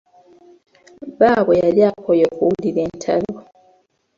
Bbaabwe yali akooye okuwulira entalo.